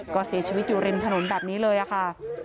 ก็เสียชีวิตอยู่ริมถนนแบบนี้เลยค่ะ